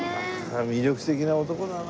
魅力的な男だな。